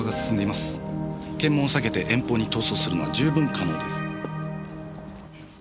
検問を避けて遠方に逃走するのは十分可能です。